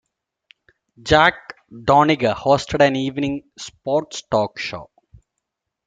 Jack Donniger hosted an evening sports-talk show.